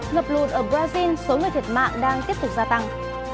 ngập lụt ở brazil số người thiệt mạng đang tiếp tục gia tăng